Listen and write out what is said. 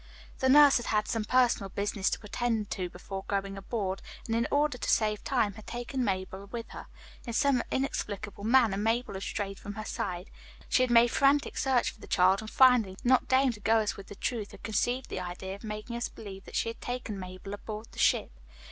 "The nurse had had some personal business to attend to before going aboard, and in order to save time had taken Mabel with her. In some inexplicable manner Mabel had strayed from her side. She had made frantic search for the child and finally, not daring to go to us with the truth, had conceived the idea of making us believe that she had taken Mabel aboard the ship.